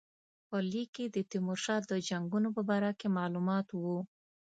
په لیک کې د تیمورشاه د جنګونو په باره کې معلومات وو.